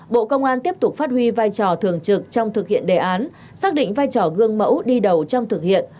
bộ công an tiếp tục phát huy vai trò thường trực trong thực hiện đề án xác định vai trò gương mẫu đi đầu trong thực hiện